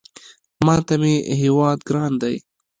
ماته مې هېواد ګران دی